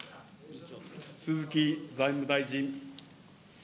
鈴木財務大臣。